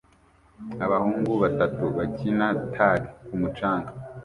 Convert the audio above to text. Abahungu batatu bakina tagi ku mucanga